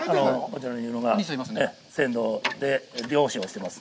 船頭で、漁師をしてます